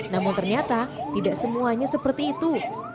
namun ternyata tidak semuanya seperti itu